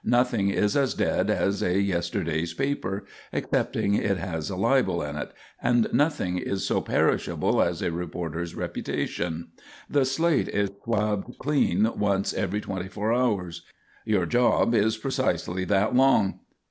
Nothing is as dead as a yesterday's paper excepting it has a libel in it; and nothing is so perishable as a reporter's reputation. The slate is swabbed clean once every twenty four hours. Your job is precisely that long."